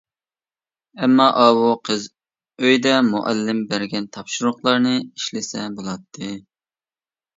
ئەمما ئاۋۇ قىز ئۆيدە مۇئەللىم بەرگەن تاپشۇرۇقلارنى ئىشلىسە بۇلاتتى.